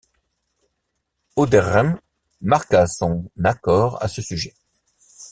Auderghem marqua son accord à ce sujet.